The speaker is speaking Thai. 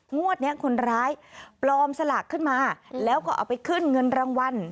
งวดนี้คนร้ายปลอมสลากขึ้นมาแล้วก็เอาไปขึ้นเงินรางวัล